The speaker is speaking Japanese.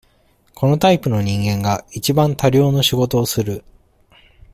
このタイプの人間が、一番多量の仕事をする。